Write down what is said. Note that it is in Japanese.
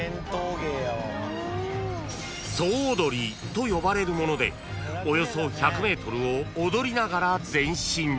［と呼ばれるものでおよそ１００ｍを踊りながら前進］